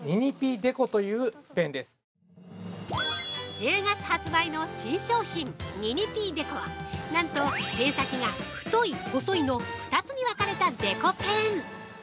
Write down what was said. ◆１０月発売の新商品ニニピーデコは何と、ペン先が太い・細いの２つに分かれたデコペン。